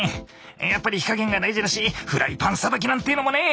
やっぱり火加減が大事だしフライパンさばきなんていうのもね。